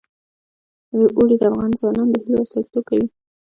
اوړي د افغان ځوانانو د هیلو استازیتوب کوي.